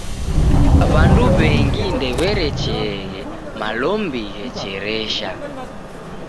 W'andu w'engi ndew'erecheeghe malombi ghecheresha.